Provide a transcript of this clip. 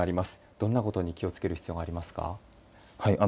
どんなことに気をつける必要がありますか。